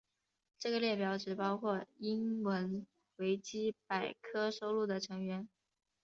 这个列表只包括英文维基百科收录的成员。